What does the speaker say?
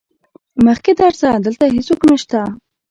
مخکې درځه دلته هيڅوک نشته.